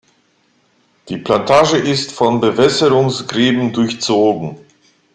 Die Plantage ist von Bewässerungsgräben durchzogen.